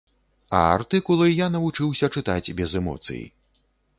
А артыкулы я навучыўся чытаць без эмоцый.